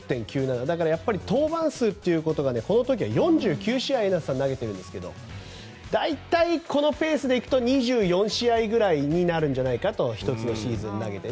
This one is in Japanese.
だから、登板数ということがこの時は４９試合江夏さんは投げているんですが大体、このペースでいくと２４試合ぐらいになるんじゃないかと１つのシーズン投げて。